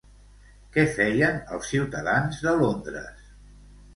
Què feien els ciutadans de Londres?